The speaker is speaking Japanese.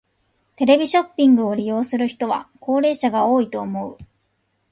テレビショッピングを利用する人は高齢者が多いと思う。